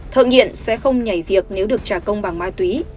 thợ nghiện sẽ không nhảy việc nếu được trả công bằng ma túy